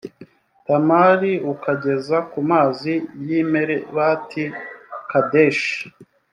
tamari ukageza ku mazi y i meribati kadeshi